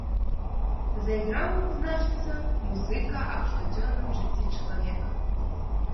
Зайграў, значыцца, музыка аб штодзённым жыцці чалавека.